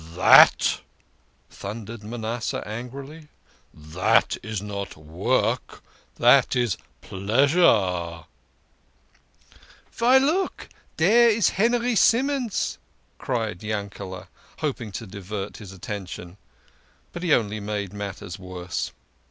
" That !" thundered Manasseh angrily, " That is not work ! That is pleasure !"" Vy look ! Dere is Hennery Simons," cried Yankele, hoping to divert his attention. But he only made matters worse.